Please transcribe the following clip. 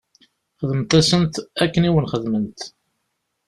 Xdemt-asent akken i wen-xedment.